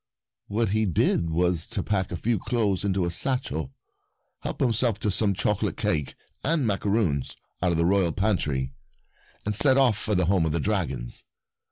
What he did was to pack a few clothes into a satchel, help himself to some chocolate cake and macaroons out of the royal pantry, and set off for the home of the dragons.